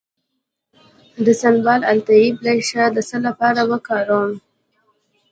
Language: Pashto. د سنبل الطیب ریښه د څه لپاره وکاروم؟